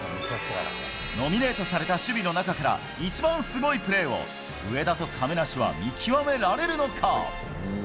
ノミネートされた守備の中から、一番すごいプレーを上田と亀梨は見極められるのか？